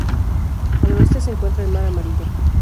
Al oeste se encuentra el mar Amarillo.